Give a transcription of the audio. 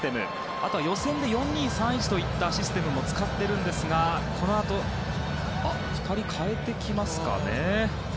あとは予選で４−２−３−１といったシステムも使っているんですがこのあと２人代えてきますか。